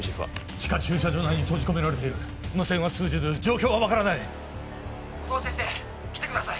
地下駐車場内に閉じ込められている無線は通じず状況は分からない音羽先生来てください